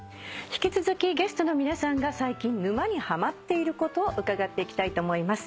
引き続きゲストの皆さんが最近沼にハマっていることを伺っていきたいと思います。